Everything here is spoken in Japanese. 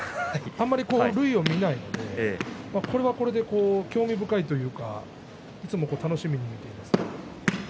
あまり類を見ないのでこれはこれで興味深いというかいつも楽しみに見ています。